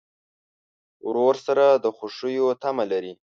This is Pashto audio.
ورور سره د خوښیو تمه لرې.